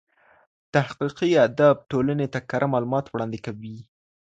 تحقیقي ادب ټولني ته کره معلومات وړاندي کوي.